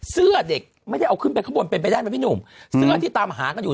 เสื้อเด็กไม่ได้เอาขึ้นไปข้างบนเป็นไปได้ไหมพี่หนุ่มเสื้อที่ตามหากันอยู่